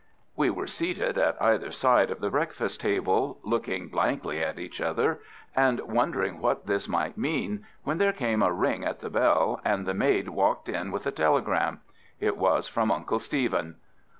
We were seated at either side of the breakfast table, looking blankly at each other and wondering what this might mean, when there came a ring at the bell, and the maid walked in with a telegram. It was from Uncle Stephen.